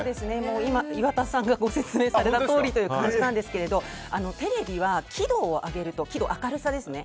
今、岩田さんがご説明されたとおりという感じなんですがテレビは輝度輝度は明るさですね